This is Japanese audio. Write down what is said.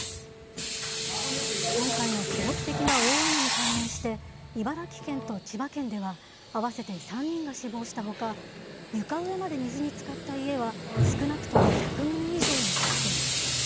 今回の記録的な大雨に関連して、茨城県と千葉県では合わせて３人が死亡したほか、床上まで水につかった家は、少なくとも１００棟以上に達しています。